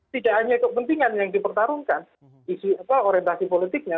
tidak hanya kepentingan yang dipertarungkan isu orientasi politiknya